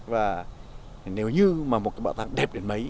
và nếu như mà một cái bảo tàng đẹp đến mấy